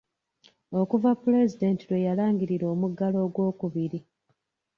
Okuva Pulezidenti lwe yalangirira omuggalo ogwokubiri.